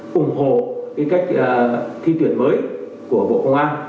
cùng hộ cách thi tuyển mới của bộ công an